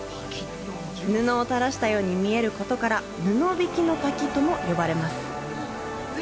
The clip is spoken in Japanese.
布を垂らしたように見えることから布引の滝とも呼ばれます。